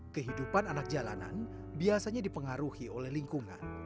kehidupan anak jalanan biasanya dipengaruhi oleh lingkungan